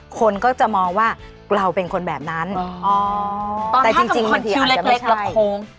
คนก็จะมองว่าเราเป็นคนแบบนั้นอ๋อแต่จริงจริงอาจจะไม่ใช่ตอนท่ากับคนคิวเล็กเล็กแล้วโค้ง